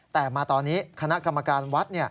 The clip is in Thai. แต่มาตอนนี้คณะกรรมการวัด